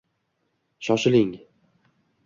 Shoshiling.